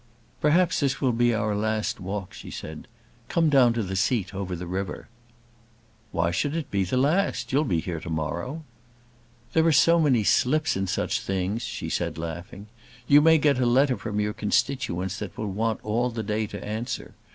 "Perhaps this will be our last walk," she said. "Come down to the seat over the river." "Why should it be the last? You'll be here to morrow." "There are so many slips in such things," she said laughing. "You may get a letter from your constituents that will want all the day to answer.